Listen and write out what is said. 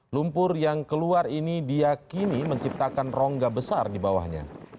lumpur yang keluar ini diakini menciptakan rongga besar di bawahnya